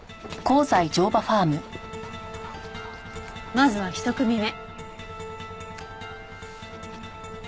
まずは１組目。